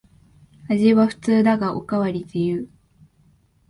味は普通だがおかわり自由